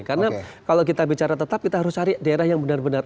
karena kalau kita bicara tetap kita harus cari daerah yang benar benar